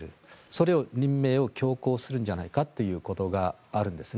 その任命を強行するんじゃないかということがあるんです。